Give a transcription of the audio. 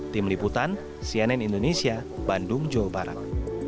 tim liputan cnn indonesia bandung jawa barat